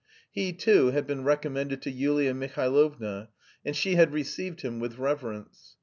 He, too, had been recommended to Yulia Mihailovna, and she had received him with reverence.